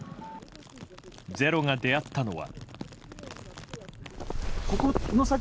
「ｚｅｒｏ」が出会ったのは。